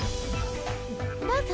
どうぞ。